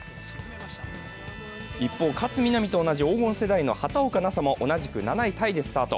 一方、勝みなみと同じ黄金世代の畑岡奈紗も同じく７位タイでスタート。